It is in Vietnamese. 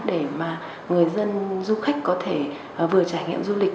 để mà người dân du khách có thể vừa trải nghiệm du lịch